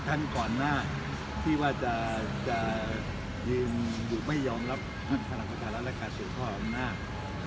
ท่านก่อนหน้าที่ว่าจะจะสืบอย่องรับพลังศาลรักษณ์เขาต้องความเนื้อ